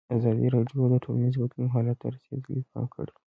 ازادي راډیو د ټولنیز بدلون حالت ته رسېدلي پام کړی.